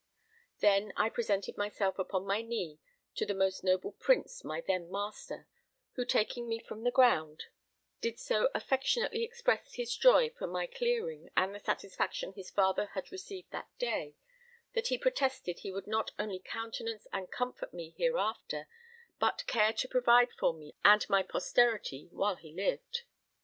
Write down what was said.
Then I presented myself upon my knee to the most noble Prince my then master, who, taking me from the ground, did so affectionately express his joy for my clearing and the satisfaction his father had received that day, that he protested he would not only countenance and comfort me hereafter but care to provide for me and my posterity while he lived.